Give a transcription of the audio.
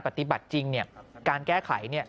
ปฏิบัติจริงเนี่ยการแก้ไขเนี่ย